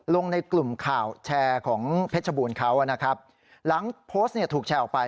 ลงในกลุ่มข่าวแชร์ของเพชรบูรณ์เขานะครับหลังโพสต์เนี่ยถูกแชร์ออกไป